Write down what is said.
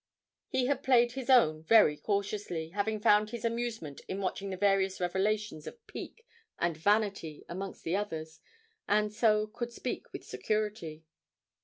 He had played his own very cautiously, having found his amusement in watching the various revelations of pique and vanity amongst the others, and so could speak with security.